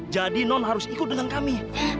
jadi non harus ikut dengan kami